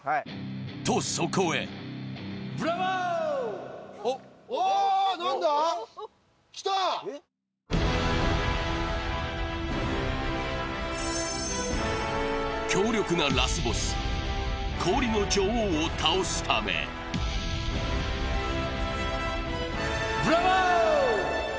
と、そこへ強力なラスボス、氷の女王を倒すためブラボー！